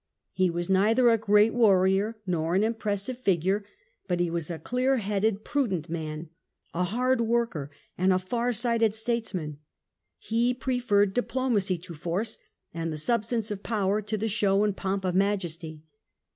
He was neither a great warrior nor an impressive figure, but he was a clear headed prudent man, a hard worker and a far sighted statesman ; he preferred diplomacy to force and the substance of power to the show and pomp of majesty.